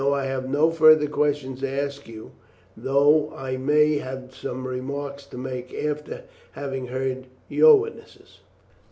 I have no further questions to ask you, though I may have some remarks to make after having heard your witnesses."